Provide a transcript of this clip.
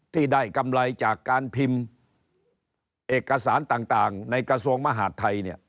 ที่ได้กำไรจากการพิมพ์เอกสารต่างในกระทรวงมหาดไทย